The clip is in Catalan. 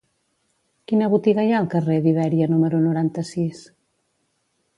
Quina botiga hi ha al carrer d'Ibèria número noranta-sis?